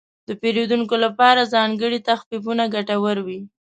د پیرودونکو لپاره ځانګړي تخفیفونه ګټور وي.